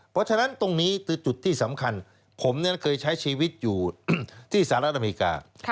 เพราะฉะนั้นตรงนี้คือจุดที่สำคัญผมเคยใช้ชีวิตอยู่ที่สหรัฐอเมริกา